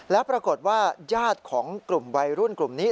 แล้วปรากฏว่าญาติของกลุ่มวัยรุ่นกลุ่มนี้